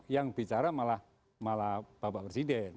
yang bicara malah bapak presiden